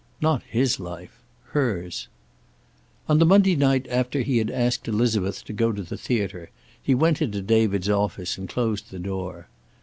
Not his life. Hers. On the Monday night after he had asked Elizabeth to go to the theater he went into David's office and closed the door.